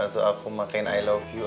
atau aku makin i love you